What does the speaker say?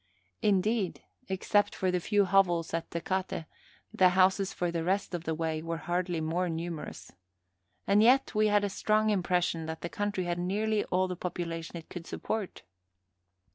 Indeed, except for the few hovels at Tecate, the houses for the rest of the way were hardly more numerous. And yet we had a strong impression that the country had nearly all the population it could support.